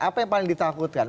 apa yang paling ditakutkan